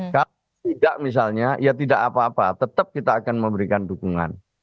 kalau tidak misalnya ya tidak apa apa tetap kita akan memberikan dukungan